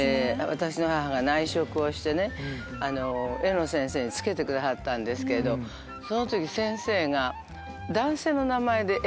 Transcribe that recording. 私の母が内職をして絵の先生につけてくださったんですけれどその時。